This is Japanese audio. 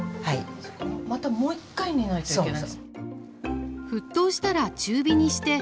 またもう一回煮ないといけない。